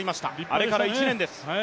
あれから１年です。